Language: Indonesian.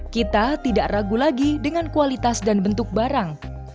kita tidak ragu lagi dengan kualitas dan bentuk barang